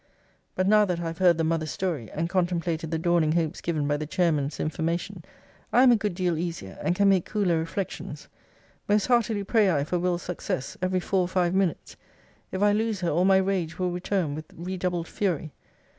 But now that I have heard the mother's story, and contemplated the dawning hopes given by the chairman's information, I am a good deal easier, and can make cooler reflections. Most heartily pray I for Will.'s success, every four or five minutes. If I lose her, all my rage will return with redoubled fury.